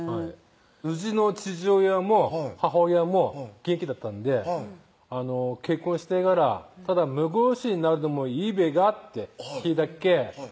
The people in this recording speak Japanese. うちの父親も母親も元気だったんで「結婚してぇからただ婿養子になるどもいいべか？」って聞いたっけ